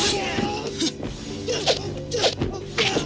kau tidak akan pernah ke cerita